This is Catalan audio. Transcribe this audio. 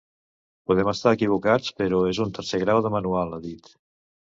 Podem estar equivocats, però és un tercer grau de manual, ha dit.